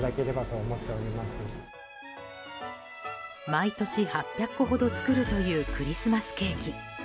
毎年８００個ほど作るというクリスマスケーキ。